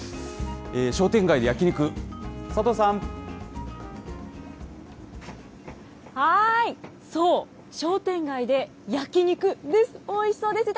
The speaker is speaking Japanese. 商店街で焼き肉、そう、商店街で焼き肉です。